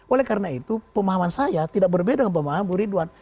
oleh karena itu pemahaman saya tidak berbeda dengan pemahaman bu ridwan